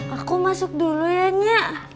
aku masuk dulu ya nia